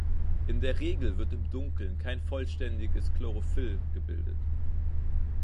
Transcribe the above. In der Regel wird im Dunkeln kein vollständiges Chlorophyll gebildet.